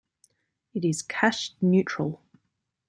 It is Cash Neutral.